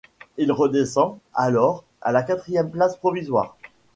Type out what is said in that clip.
Il redescend, alors, à la quatrième place provisoire.